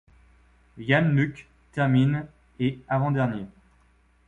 Jaan Lukk termine et avant-dernier.